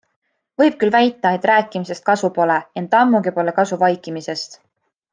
Võib küll väita, et rääkimisest kasu pole, ent ammugi pole kasu vaikimisest.